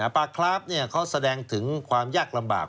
ปลาคราฟเขาแสดงถึงความยากลำบาก